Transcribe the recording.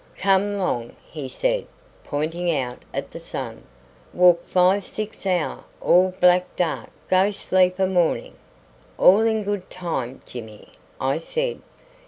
"Come long," he said, pointing out at the sun, "walk five six hour all black dark; go sleep a morning." "All in good time, Jimmy," I said.